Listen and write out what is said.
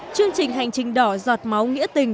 chương trình hành trình đỏ giọt máu nghĩa tình